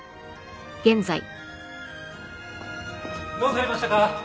どうされましたか？